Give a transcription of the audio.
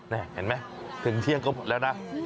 เนี่ยเห็นไหมถึงเที่ยงแล้วนะ